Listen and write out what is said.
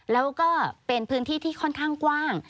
แล้วก็เป็นพื้นที่ที่ค่อนข้างกว้าง